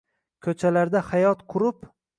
Ko’chalarda hayot qurib